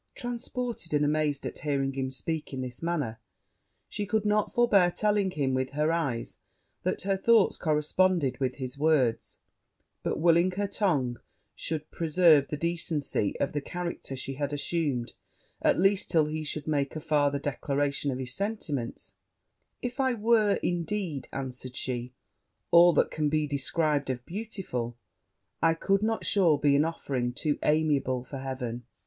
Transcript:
Transported and amazed at hearing him speak in this manner, she could not forbear telling him, with her eyes, that her thoughts corresponded with his words; but willing her tongue should preserve the decency of the character she had assumed, at least till he should make a farther declaration of his sentiments; 'If I were, indeed,' answered she, 'all that can be described of beautiful, I could not, sure, be an offering too amiable for Heaven!'